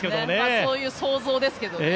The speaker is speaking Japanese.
そういう想像ですけどね。